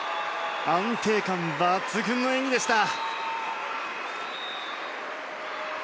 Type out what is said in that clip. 安定感抜群の演技でした。